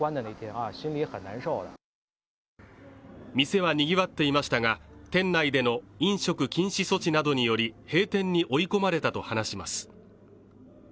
店はにぎわっていましたが店内での飲食禁止措置などにより閉店に追い込まれたと話します